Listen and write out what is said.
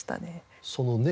そのね